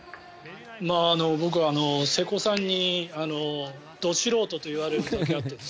僕は瀬古さんにど素人と言われるだけあって。